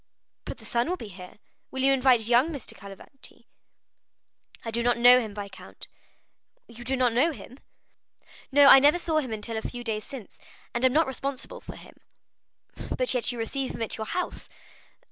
"But the son will be here; will you invite young M. Cavalcanti?" "I do not know him, viscount." "You do not know him?" "No, I never saw him until a few days since, and am not responsible for him." "But you receive him at your house?"